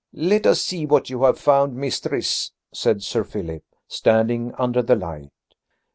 "Let us see what you have found, mistress," said Sir Philip, standing under the light.